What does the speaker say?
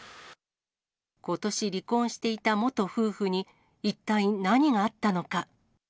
ことし離婚していた元夫婦に一体何があったのか。